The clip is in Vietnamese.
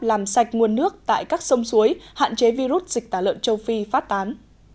làm sạch nguồn nước tại các sông suối hạn chế virus dịch tả lợn châu phi phát tán